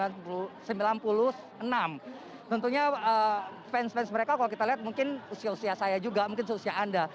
tentunya fans fans mereka kalau kita lihat mungkin usia usia saya juga mungkin seusia anda